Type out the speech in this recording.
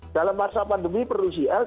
dalam masa pandemi perlu cl